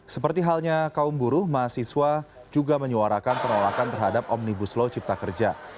seperti halnya kaum buruh mahasiswa juga menyuarakan penolakan terhadap omnibus law cipta kerja